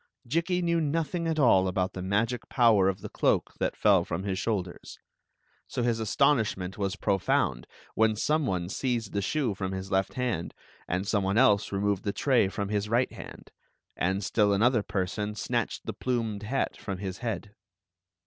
'' Jikki knew nothing at all about the magic power of the cloak that fell from his shoulders; so his aston ishment was profound when some one seized the shoe from his left hand and some one else removed the tray from his right hand, and still another person snatched the plumed hat from his head.